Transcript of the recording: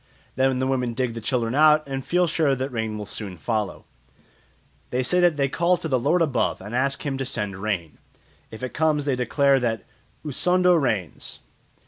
Then the women dig the children out and feel sure that rain will soon follow. They say that they call to "the lord above" and ask him to send rain. If it comes they declare that "Usondo rains."